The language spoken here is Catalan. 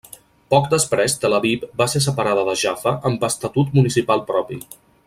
Poc després Tel Aviv va ser separada de Jaffa amb estatut municipal propi.